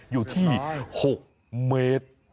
อยู่ที่๖เมตร